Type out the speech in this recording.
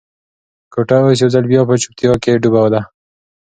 کوټه اوس یو ځل بیا په چوپتیا کې ډوبه ده.